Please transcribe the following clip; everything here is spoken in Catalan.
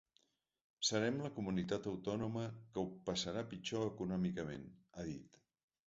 Serem la comunitat autònoma que ho passarà pitjor econòmicament, ha dit.